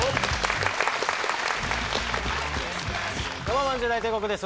どうもまんじゅう大帝国です